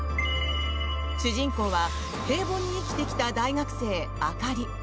主人公は平凡に生きてきた大学生・朱莉。